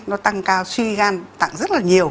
nó tăng cao suy gan tặng rất là nhiều